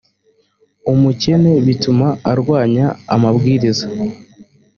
umukene bituma arwanya amabwiriza